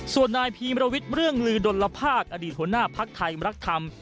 ส่วนนายพีมรวิตเรื่องลือดลพากษ์อดีตหัวหน้าพักไทยรักษ์ธรรม